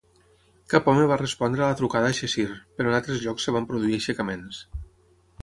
Cap home va respondre a la trucada a Cheshire, però en altres llocs es van produir aixecaments.